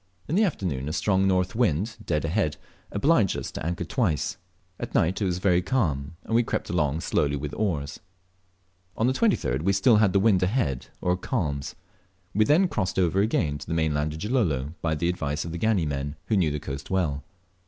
In the afternoon a strong north wind (dead ahead) obliged us to anchor twice. At nigh it was calm, and we crept along slowly with our oars. On the 23d we still had the wind ahead, or calms. We then crossed over again to the mainland of Gilolo by the advice of our Gani men, who knew the coast well.